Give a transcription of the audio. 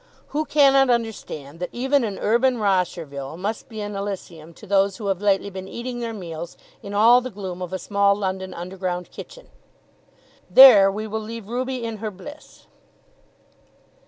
Who cannot understand that even an urban Rosherville must be an Elysium to those who have lately been eating their meals in all the gloom of a small London underground kitchen? There we will leave Ruby in her bliss.